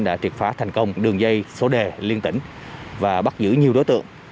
đã triệt phá thành công đường dây số đề liên tỉnh và bắt giữ nhiều đối tượng